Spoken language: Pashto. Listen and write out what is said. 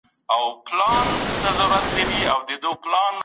علم د رښتینو پایلو د ترلاسه کولو وسیله ده.